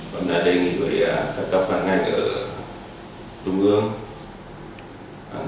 tôi đã đề nghị với các cấp văn ngành ở trung ương